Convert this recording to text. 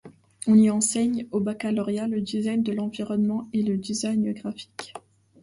On y enseigne au baccalauréat le design de l'environnement et le design graphique.